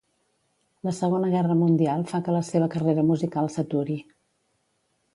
La Segona Guerra mundial fa que la seva carrera musical s'aturi.